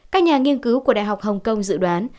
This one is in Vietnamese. các nhà nghiên cứu của đại học hồng kông dự đoán